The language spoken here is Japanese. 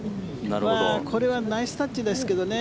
これはナイスタッチですけどね。